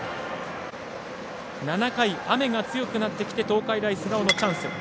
７回、雨が強くなってきて東海大菅生のチャンス。